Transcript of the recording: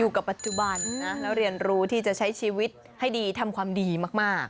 กับปัจจุบันนะแล้วเรียนรู้ที่จะใช้ชีวิตให้ดีทำความดีมาก